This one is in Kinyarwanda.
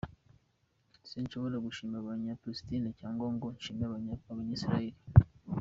Sinshobora gushima abanyapalesitina cyangwa ngo nshime abanyayisiraheli.